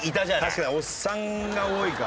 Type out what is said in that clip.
確かにおっさんが多いか。